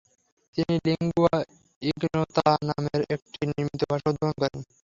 তিনি লিংগুয়া ইগনোতা নামের একটি নির্মিত ভাষা উদ্ভাবন করেন।